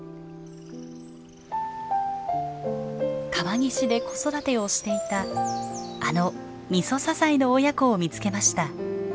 川岸で子育てをしていたあのミソサザイの親子を見つけました。